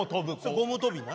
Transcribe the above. それゴム跳びな。